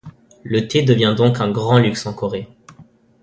Le thé devient donc un grand luxe en Corée.